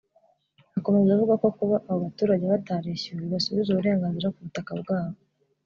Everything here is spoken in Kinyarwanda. Akomeza avuga ko kuba abo baturage batarishyuwe bibasubiza uburenganzira ku butaka bwa bo